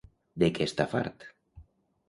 De què està fart?